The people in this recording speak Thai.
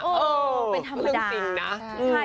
เป็นธรรมดา